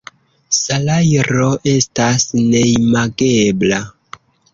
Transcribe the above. Salajro estas neimagebla.